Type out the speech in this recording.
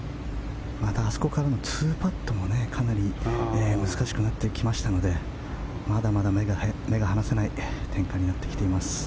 あそこからの２パットもかなり難しくなってきましたのでまだまだ目が離せない展開になってきています。